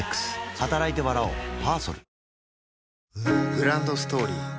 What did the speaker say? グランドストーリー